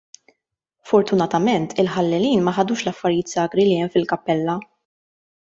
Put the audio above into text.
Fortunatament, il-ħallelin ma ħadux l-affarijiet sagri li hemm fil-kappella.